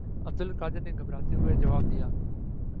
عبدالقادر نے گھبراتے ہوئے جواب دیا